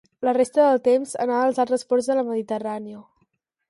La resta del temps anava a altres ports de la Mediterrània.